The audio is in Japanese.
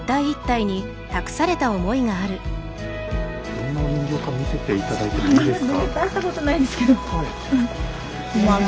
どんなお人形か見せていただいてもいいですか？